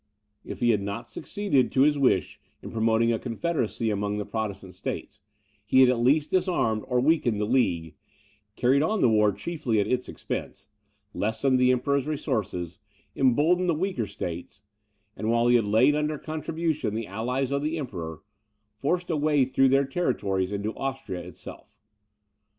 If he had not succeeded to his wish in promoting a confederacy among the Protestant States, he had at least disarmed or weakened the League, carried on the war chiefly at its expense, lessened the Emperor's resources, emboldened the weaker States, and while he laid under contribution the allies of the Emperor, forced a way through their territories into Austria itself.